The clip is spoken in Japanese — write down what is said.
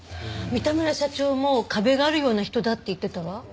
三田村社長も壁があるような人だって言ってたわ。